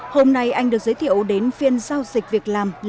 hôm nay anh được giới thiệu đến phiên giao dịch việc làm lồng văn